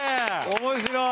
面白い！